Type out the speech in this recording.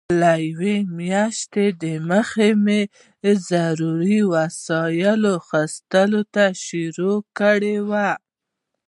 له یوې میاشتې دمخه مې د ضروري وسایلو اخیستلو ته شروع کړې وه.